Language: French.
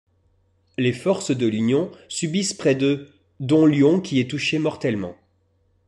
Les forces de l'Union subissent près de dont Lyon qui est touché mortellement.